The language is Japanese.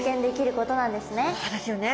そうですよね。